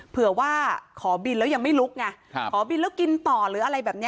เผื่อว่าขอบินแล้วยังไม่ลุกไงขอบินแล้วกินต่อหรืออะไรแบบนี้